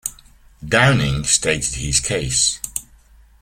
Downing stated his case.